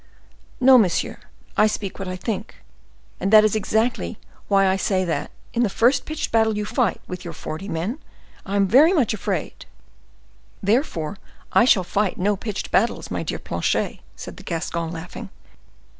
"No, monsieur, I speak what I think, and that is exactly why I say that, in the first pitched battle you fight with your forty men, I am very much afraid—" "Therefore I shall fight no pitched battles, my dear Planchet," said the Gascon, laughing.